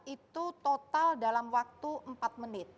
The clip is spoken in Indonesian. itu total dalam waktu empat menit